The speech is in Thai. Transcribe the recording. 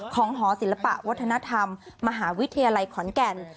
หอศิลปะวัฒนธรรมมหาวิทยาลัยขอนแก่น